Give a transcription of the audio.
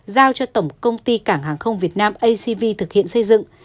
giao cho tổng công ty cảng hàng không việt nam acv thực hiện xây dựng